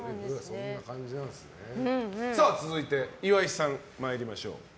続いて、岩井さん参りましょう。